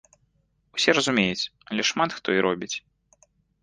Усе разумеюць, але шмат хто і робіць.